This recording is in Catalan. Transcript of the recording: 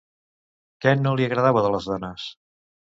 Què no li agradava de les dones?